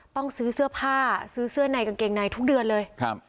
ต้องซื้อเสื้อผ้าซื้อเสื้อในกางเกงในทุกเดือนเลยครับ